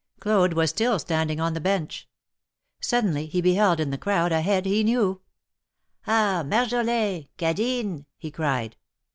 Claude was stil stanlding on the bench. Suddenly he belield in the crowd a head he knew. "Ah! Marjolin! Cadine!" he cried.